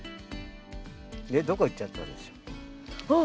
ねっどこ行っちゃったんでしょう？あっ。